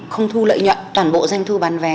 không thu lợi nhuận toàn bộ doanh thu bán vé